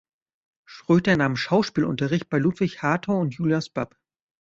Schroeter nahm Schauspielunterricht bei Ludwig Hartau und Julius Bab.